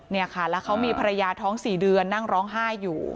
เนี่ยค่ะแล้วเขามีภรรยาท้อง๔เดือนนั่งร้องไห้อยู่